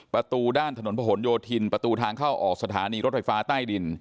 ประตูด้านถนนผนโยธินประตูทางเข้าออกสถานีรถไฟฟ้าใต้ดิน